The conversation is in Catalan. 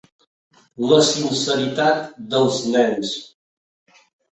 La sinceritat dels nens.